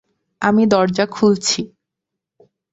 আমি দরজা খুলছি!